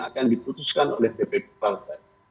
akan diputuskan oleh dpp partai